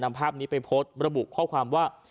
ภาพนี้ไปโพสต์ระบุข้อความว่า